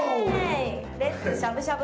レッツしゃぶしゃぶ。